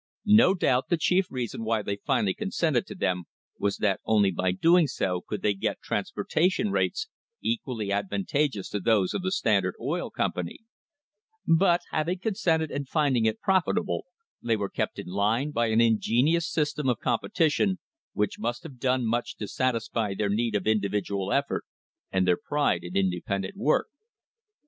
No doubt the chief reason why they finally consented to them was that only by so doing could they get transporta tion rates equally advantageous to those of the Standard Oil Company; but, having consented and finding it profitable, they were kept in line by an ingenious system of competition which must have done much to satisfy their need of indi vidual effort and their pride in independent work.